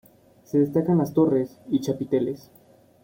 Se destacan las torres y chapiteles.